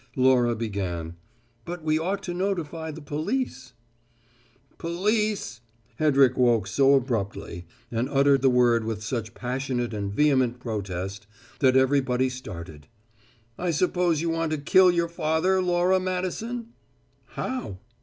Laura began: "But we ought to notify the police " "Police!" Hedrick woke so abruptly, and uttered the word with such passionate and vehement protest, that everybody started. "I suppose you want to kill your father, Laura Madison!" "How?"